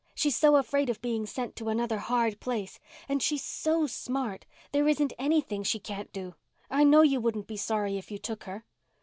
She's so afraid of being sent to another hard place. And she's so smart—there isn't anything she can't do. I know you wouldn't be sorry if you took her."